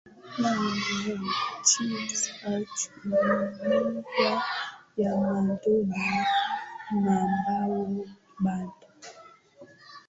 na wa nchi za jumuiya ya madola ambao bado